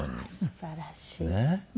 すばらしい。